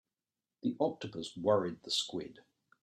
The octopus worried the squid.